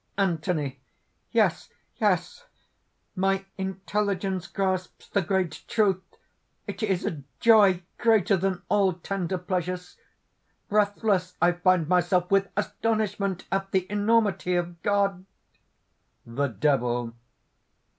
ANTHONY. "Yes!...yes! My intelligence grasps the great truth! It is a joy greater than all tender pleasures! Breathless I find myself with astonishment at the enormity of God!" THE DEVIL.